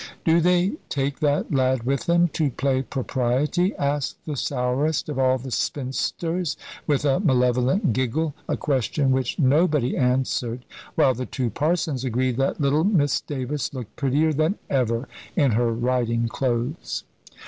"Do they take that lad with them to play propriety?" asked the sourest of all the spinsters, with a malevolent giggle a question which nobody answered while the two parsons agreed that little Miss Davis looked prettier than ever in her riding clothes.